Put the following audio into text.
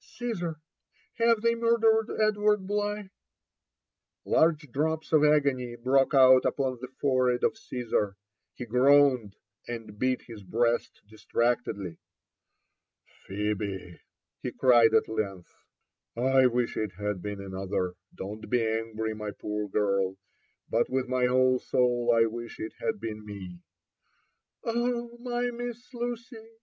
»—Caesar ! have they murdered Edward Blighf' Large drops of agony broke out upon the forehead of Caesar, — he groaned, and beat his breast distractedly. ''Phebe!" he cried at length, I wish it had been anpther : don't be angry, my poor girl but with my whole soul I wish it had been me I" *' Oh, my Miss Lucy!"